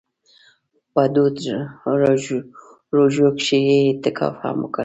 په دوو روژو کښې يې اعتکاف هم وکړ.